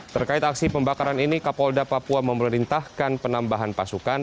terkait aksi pembakaran ini kapolda papua memerintahkan penambahan pasukan